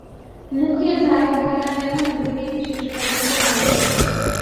মুখে যা-ই বলি না কেন, নিজেকে কি শেষ পর্যন্ত জানি?